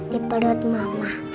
di perut mama